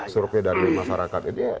survei dari masyarakat jadi